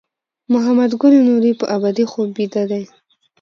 محمد ګل نوري په ابدي خوب بیده دی.